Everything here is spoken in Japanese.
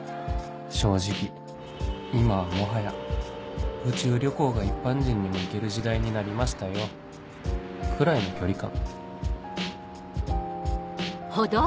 正直今はもはや宇宙旅行が一般人にも行ける時代になりましたよくらいの距離感